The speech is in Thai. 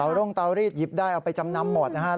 ร่วงเตารีดหยิบได้เอาไปจำนำหมดนะครับ